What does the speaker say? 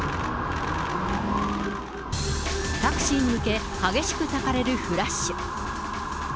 タクシーに向け、激しくたかれるフラッシュ。